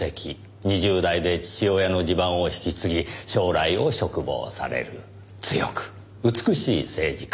２０代で父親の地盤を引き継ぎ将来を嘱望される強く美しい政治家。